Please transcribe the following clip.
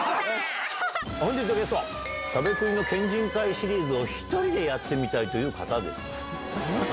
本日のゲストは、しゃべくりの県人会シリーズを１人でやってみたいという方です。